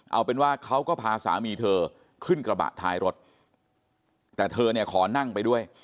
เอาเป็นว่าเขาก็พาสามีเธอขึ้นกระบะท้ายรถแต่เธอเนี่ยขอนั่งไปด้วย